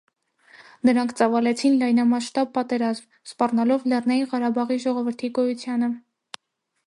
Նրանք ծավալեցին լայնամասշտաբ պատերազմ՝ սպառնալով Լեռնային Ղարաբաղի ժողովրդի գոյությանը: